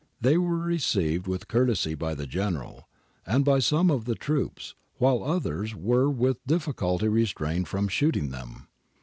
They were received with courtesy by the General, and by some of the troops, while others were with difficulty restrained from shooting them.